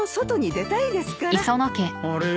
あれ？